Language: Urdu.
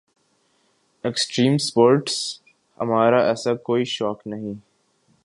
ایکسٹریم اسپورٹس ہمارا ایسا کوئی شوق نہیں